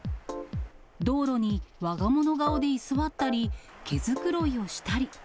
道路にわが物顔で居座ったり、毛づくろいをしたり。